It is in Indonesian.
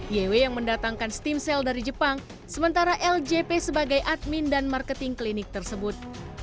yw yang mendatangkan stem cell dari jepang sementara ljp sebagai admin dan marketing klinik tersebut